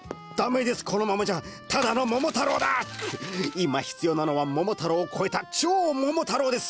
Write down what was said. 今必要なのは「桃太郎」を超えた「超桃太郎」です！